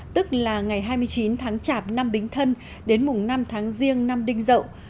tức là ngày hai mươi chín tháng chạp năm bính thân đến mùng năm tháng riêng năm đinh dậu